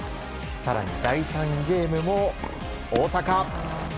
更に第３ゲームも大坂。